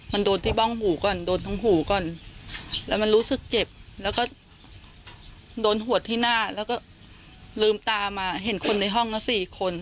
มันโดนที่บ้องหูก่อนโดนทั้งหูก่อนแล้วมันรู้สึกเจ็บแล้วก็โดนหวดที่หน้าแล้วก็ลืมตามาเห็นคนในห้องนะสี่คน